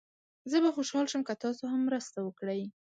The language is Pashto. زه به خوشحال شم که تاسو هم مرسته وکړئ.